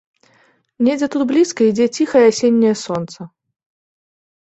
Недзе тут блізка ідзе ціхае асенняе сонца!